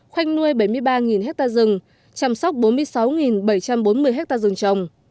khoanh nuôi bảy mươi ba hectare rừng chăm sóc bốn mươi sáu bảy trăm bốn mươi ha rừng trồng